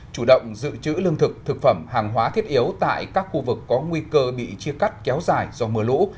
chủ động dự trữ lương thực thực phẩm hàng hóa thiết yếu tại các khu vực có nguy cơ bị chia cắt kéo dài do mưa lũ